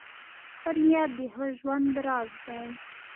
ښه نیت د ښه ژوند راز دی .